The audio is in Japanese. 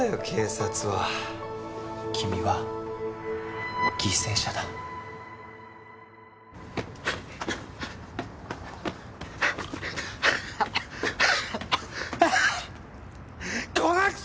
警察は君は犠牲者だはあはあ